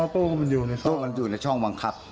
อ๋อตู้มันอยู่ในซอกตู้มันอยู่ในช่องวังคับ